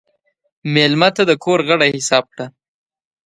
مېلمه ته د کور غړی حساب کړه.